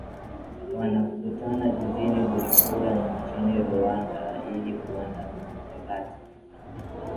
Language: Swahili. wanakutana jijini bujumbura nchini burundi ili kuanda mikakati